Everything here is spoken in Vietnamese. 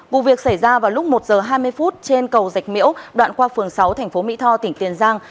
vụ việc xảy ra vào lúc một giờ hai mươi phút trên cầu dạch miễu đoạn qua phường sáu thành phố mỹ tho tỉnh tiền giang